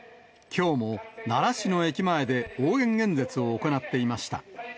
きょうも奈良市の駅前で応援演説を行っていました。